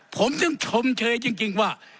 ผมจึงชมเชยจริงว่า